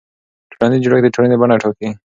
ټولنیز جوړښت د ټولنې بڼه ټاکي.